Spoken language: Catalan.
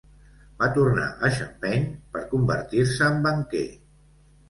Va tornar a Champaign per convertir-se en banquer.